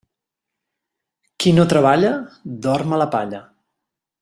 Qui no treballa, dorm a la palla.